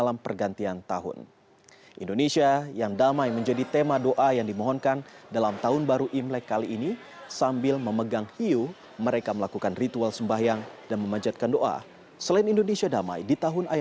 sampai jumpa di video selanjutnya